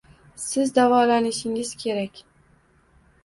Siz davolanishingiz kerak